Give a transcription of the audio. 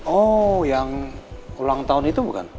oh yang ulang tahun itu bukan